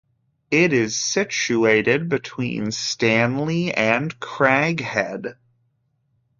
It is situated between Stanley and Craghead.